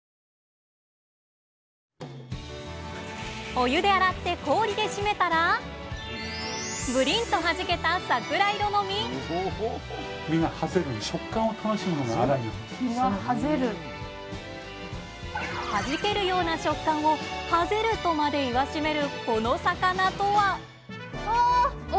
お湯で洗って氷で締めたらブリンとはじけたはじけるような食感を「爆ぜる」とまで言わしめるこの魚とは。